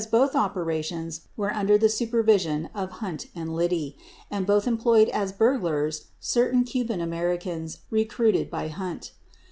13 both operations were under the supervision of Hunt and Liddy 71 and both employed as burglars certain Cuban Americans recruited by Hunt.